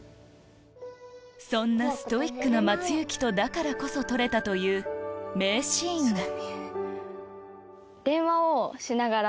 そんなストイックな松雪とだからこそ撮れたという電話をしながら。